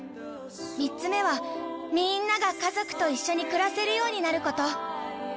３つ目はみんなが家族と一緒に暮らせるようになること。